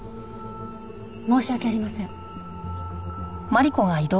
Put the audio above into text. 申し訳ありません。